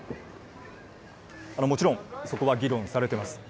もちろんそこは議論されてます。